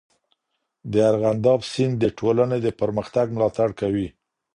د ارغنداب سیند د ټولنې د پرمختګ ملاتړ کوي.